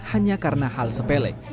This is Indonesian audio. hanya karena hal sepelek